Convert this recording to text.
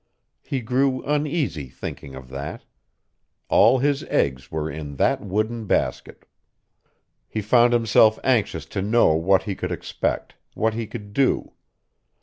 He grew uneasy thinking of that. All his eggs were in that wooden basket. He found himself anxious to know what he could expect, what he could do.